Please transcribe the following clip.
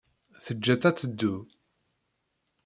Teǧǧa-tt ad teddu.